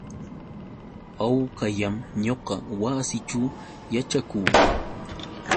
Hawkallam ñuqa wasiićhu yaćhakuu.